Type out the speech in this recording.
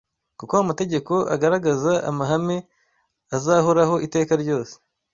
kuko amategeko agaragaza amahame azahoraho iteka ryose.